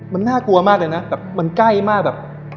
มันน่ากลัวมากเลยนะแบบมันใกล้มากแบบ